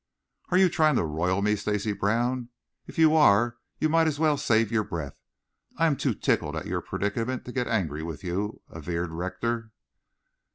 "Are you trying to roil me, Stacy Brown? If you are you might as well save your breath. I am too tickled at your predicament to get angry with you," averred Rector.